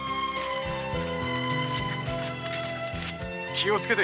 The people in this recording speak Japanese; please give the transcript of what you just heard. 気をつけて。